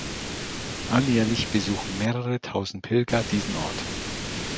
Alljährlich besuchen mehrere tausend Pilger diesen Ort.